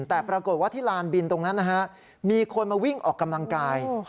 แต่ปรากฏว่าที่ลานบินตรงนั้นนะฮะมีคนมาวิ่งออกกำลังกาย